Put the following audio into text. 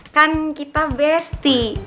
kan kita besti